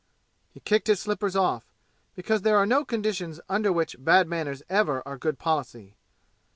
He kicked his slippers off, because there are no conditions under which bad manners ever are good policy.